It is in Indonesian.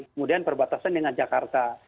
kemudian perbatasan dengan jakarta